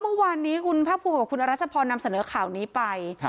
เมื่อวานนี้คุณภาคภูมิกับคุณอรัชพรนำเสนอข่าวนี้ไป